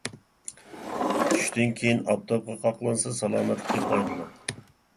چۈشتىن كىيىن ئاپتاپقا قاقلانسا سالامەتلىككە پايدىلىق.